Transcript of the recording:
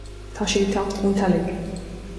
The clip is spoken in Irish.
tá siad ag teacht ón tseilg